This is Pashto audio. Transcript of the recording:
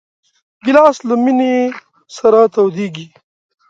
ګیلاس له مېنې سره تودېږي.